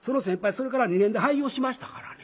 それから２年で廃業しましたからね。